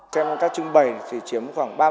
xem các trưng bày thì chiếm khoảng